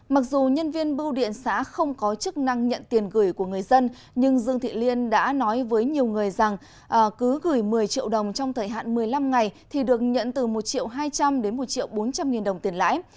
mặc dù nhân viên bưu điện xã không có chức năng nhận tiền gửi của người dân nhưng dương thị liên đã nói với nhiều người rằng cứ gửi một mươi triệu đồng trong thời hạn một mươi năm ngày thì được nhận từ một triệu hai trăm linh đến một triệu bốn trăm linh nghìn đồng tiền lãi